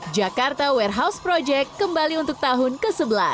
jakarta warehouse project kembali untuk tahun ke sebelas